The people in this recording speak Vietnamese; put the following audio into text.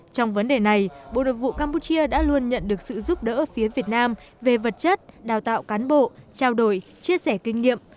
trong vấn đề này bộ nội vụ campuchia đã luôn nhận được sự giúp đỡ phía việt nam về vật chất đào tạo cán bộ trao đổi chia sẻ kinh nghiệm